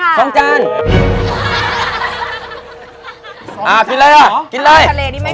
เอากินเลยนะดูจานหนึ่งหรอขอบคุณออกหรือ